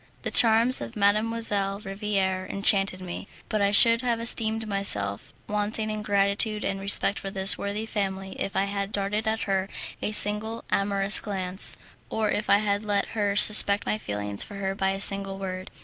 The charms of Mdlle. Riviere enchanted me, but I should have esteemed myself wanting in gratitude and respect to this worthy family if I had darted at her a single amorous glance, or if I had let her suspect my feelings for her by a single word.